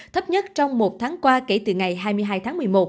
thấp nhất trong một tháng qua kể từ ngày hai mươi hai tháng một mươi một